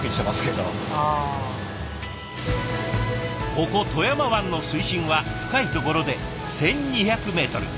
ここ富山湾の水深は深いところで１，２００メートル。